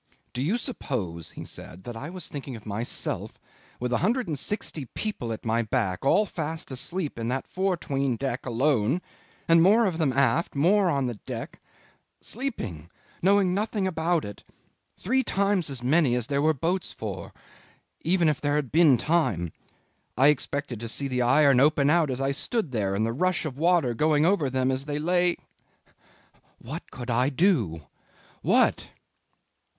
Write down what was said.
"Do you suppose," he said, "that I was thinking of myself, with a hundred and sixty people at my back, all fast asleep in that fore 'tween deck alone and more of them aft; more on the deck sleeping knowing nothing about it three times as many as there were boats for, even if there had been time? I expected to see the iron open out as I stood there and the rush of water going over them as they lay. ... What could I do what?"